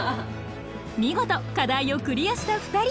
見事課題をクリアした２人。